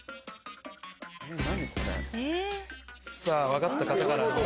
分かった方から。